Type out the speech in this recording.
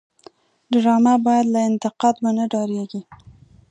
ډرامه باید له انتقاد ونه وډاريږي